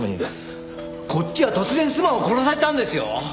こっちは突然妻を殺されたんですよ！？